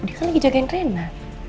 dia kan lagi jagain reina